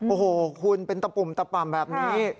โอ้โหคุณเป็นตะปุ่มตะป่ำแบบนี้